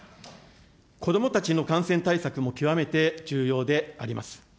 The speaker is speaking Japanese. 子どもたちの感染対策も極めて重要であります。